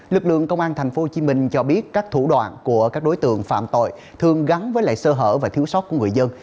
lực lượng công an thành phố hồ chí minh cho biết các thủ đoàn của các đối tượng phạm tội thường gắn với lại sơ hở và thiếu sót của người dân